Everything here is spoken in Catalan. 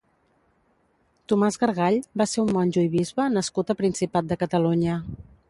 Tomàs Gargall va ser un monjo i bisbe nascut a Principat de Catalunya.